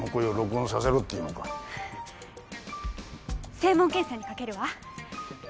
声紋検査にかけるわ。